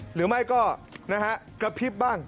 หรือไม่ก็นะฮะกระพริบบ้าง